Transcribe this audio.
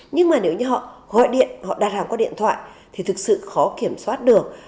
nhưng mà nếu như họ gọi điện họ đặt hàng qua điện thoại thì thực sự khó kiểm soát được